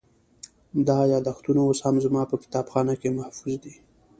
دا یادښتونه اوس هم زما په کتابخانه کې محفوظ دي.